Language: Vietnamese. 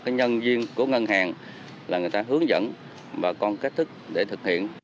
cái công viên của ngân hàng là người ta hướng dẫn bà con cách thức để thực hiện